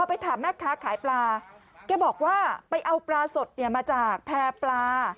ไปถามแม่ค้าขายปลาแกบอกว่าไปเอาปลาสดเนี่ยมาจากแพร่ปลา